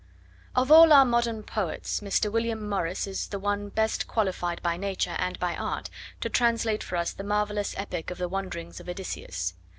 Of all our modern poets, Mr. William Morris is the one best qualified by nature and by art to translate for us the marvellous epic of the wanderings of Odysseus.